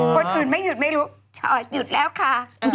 คนอื่นไม่หยุดไม่รู้หยุดแล้วค่ะ